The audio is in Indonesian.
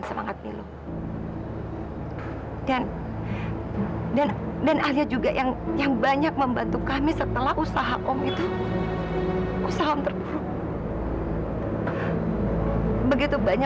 sampai jumpa di video selanjutnya